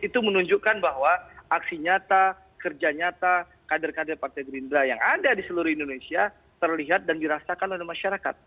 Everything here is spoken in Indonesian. itu menunjukkan bahwa aksi nyata kerja nyata kader kader partai gerindra yang ada di seluruh indonesia terlihat dan dirasakan oleh masyarakat